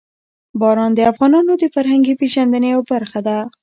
باران د افغانانو د فرهنګي پیژندنې یوه برخه ده.